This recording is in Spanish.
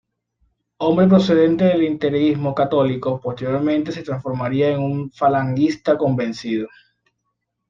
Hombre procedente del integrismo católico, posteriormente se transformaría en un falangista convencido.